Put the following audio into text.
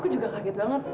aku juga kaget banget